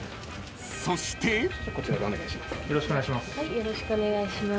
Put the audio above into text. よろしくお願いします。